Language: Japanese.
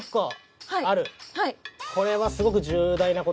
これはすごく重大な事。